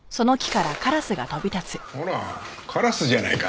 ほらカラスじゃないか。